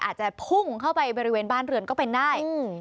อาจจะพุ่งเข้าไปบริเวณบ้านเรือนก็เป็นได้